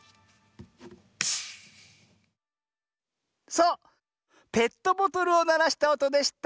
そうペットボトルをならしたおとでした。